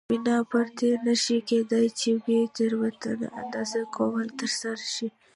بنا پر دې نه شي کېدای چې بې تېروتنې اندازه کول ترسره شي.